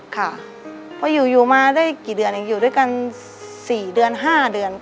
ค่ะเพราะอยู่มาได้กี่เดือนเองอยู่ด้วยกัน๔เดือน๕เดือน